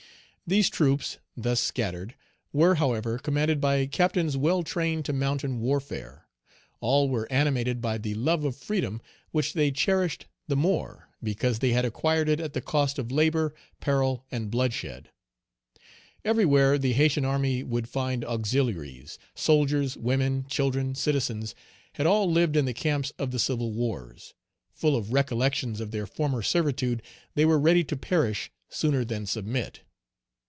These troops, thus scattered, were, however, commanded by captains well trained to mountain warfare; all were animated by the love of freedom, which they cherished the more because they had acquired it at the cost of labor, peril, and bloodshed. Everywhere the Haytian army would find auxiliaries; soldiers, women, children, citizens, had all lived in the camps of the civil wars. Full of recollections of their former servitude, they were ready to perish sooner than submit.